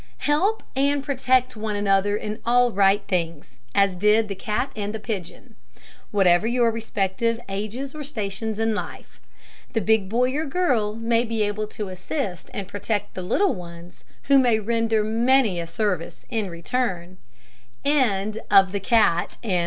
Help and protect one another in all right things, as did the cat and the pigeon, whatever your respective ages or stations in life. The big boy or girl may be able to assist and protect the little ones, who may render many a service in return.